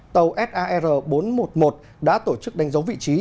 tàu sar bốn trăm một mươi một đã tổ chức đánh dấu vị trí